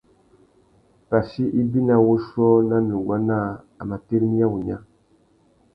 Pachí ibi nà wuchiô nà nuguá naā, a mà tirimiya wunya.